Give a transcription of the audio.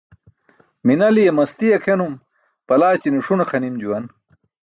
Minaliye masti akʰenum palaćine ṣune xa nim juwan.